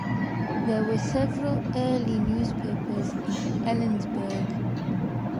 There were several early newspapers in Ellensburg.